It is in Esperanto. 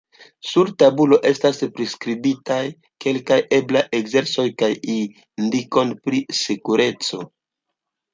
Sur tabulo estas priskribitaj kelkaj eblaj ekzercoj kaj indikoj pri sekureco.